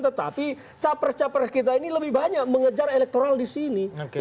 tetapi capres capres kita ini lebih banyak mengejar elektoral di sini